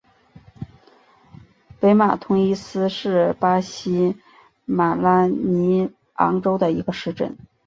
北马通伊斯是巴西马拉尼昂州的一个市镇。